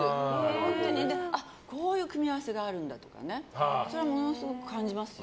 本当に、こういう組み合わせがあるんだとかそれはものすごく感じますよ。